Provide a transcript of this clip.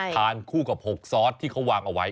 ทานคู่กับ๖ซอสที่เขาวางเอาไว้